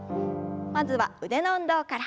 まずは腕の運動から。